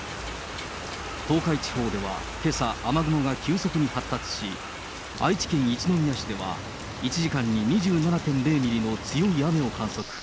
東海地方ではけさ、雨雲が急速に発達し、愛知県一宮市では、１時間に２７．０ミリの強い雨を観測。